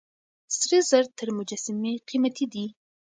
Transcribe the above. سره زر تر مجسمې قيمتي دي.